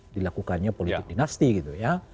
dilakukannya politik dinasti gitu ya